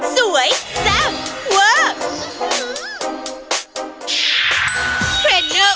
สวยแซ่บเเวิร์ก